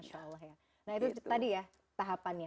nah itu tadi ya tahapannya